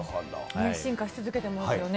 進化し続けてますよね。